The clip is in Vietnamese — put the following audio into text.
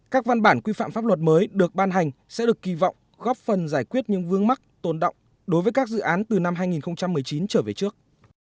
các văn bản quy phạm pháp luật mới được ban hành sẽ được kỳ vọng góp phần giải quyết những vương mắc tồn động đối với các dự án từ năm hai nghìn một mươi chín trở về trước